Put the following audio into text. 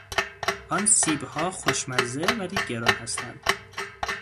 آن سیبها خوشمزه ولی گران هستند.